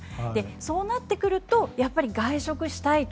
そうなってくるとやっぱり外食したいと。